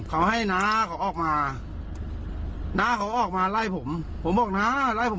เขาให้น้าเขาออกมาน้าเขาออกมาไล่ผมผมบอกน้าไล่ผม